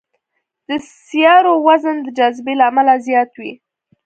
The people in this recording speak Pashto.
د سیارو وزن د جاذبې له امله زیات وي.